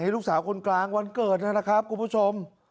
ลูกสาวคนกลางวันเกิดนะครับคุณผู้ชม